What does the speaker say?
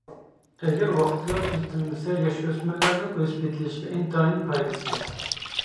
ئەگەر ۋاقتىدا تۈزىتىلمىسە، ياش-ئۆسمۈرلەرنىڭ ئۆسۈپ يېتىلىشىگە ئىنتايىن پايدىسىز.